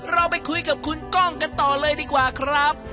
เราไปคุยกับคุณก้องกันต่อเลยดีกว่าครับ